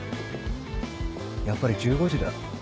やっぱり１５時だ。